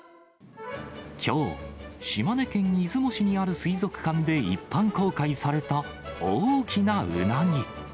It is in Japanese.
きょう、島根県出雲市にある水族館で一般公開された大きなウナギ。